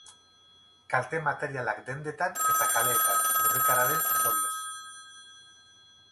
Kalte materialak dendetan eta kaleetan, lurrikararen ondorioz.